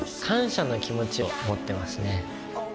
感謝の気持ちを持ってますね。